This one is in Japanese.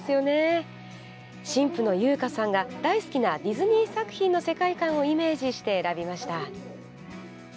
新婦の優香さんが大好きなディズニー作品の世界観をイメージして選びました。